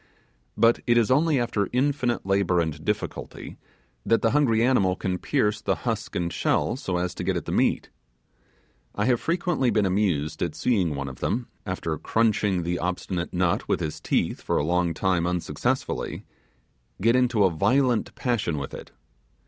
But it is only after infinite labour and difficulty, that the hungry animal can pierce the husk and shell so as to get at the meat. I have frequently been amused at seeing one of them, after crunching the obstinate nut with his teeth for a long time unsuccessfully, get into a violent passion with it.